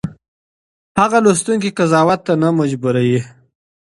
هغه لوستونکی قضاوت ته نه مجبوروي.